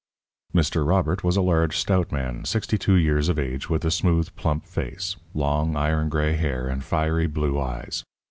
Mr. Robert was a large, stout man, sixty two years of age, with a smooth, plump face, long iron gray hair and fiery blue eyes.